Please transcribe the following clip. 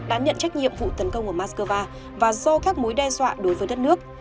đã nhận trách nhiệm vụ tấn công ở moscow và do các mối đe dọa đối với đất nước